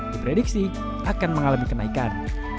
diprediksi akan mengalami kenaikan